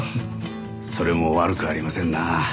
それも悪くありませんなあ。